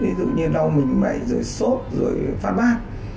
ví dụ như đau mỉnh mậy sốt phát ban